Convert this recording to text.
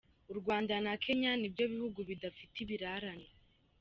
U Rwanda na Kenya nibyo bihugu bidafite ibirarane.